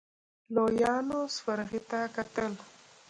لويانو سپرغې ته کتل.